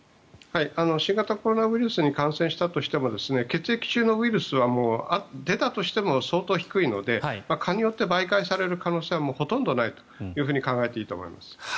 新型コロナウイルスに感染したとしても血液中のウイルスは出たとしても相当低いので蚊によって媒介される可能性はほとんどないと考えていいと思います。